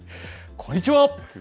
こんにちは！